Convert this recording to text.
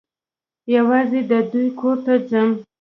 یوازي د دوی کور ته ځم .